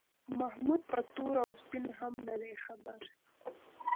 محمود په تور او سپین هم نه دی خبر.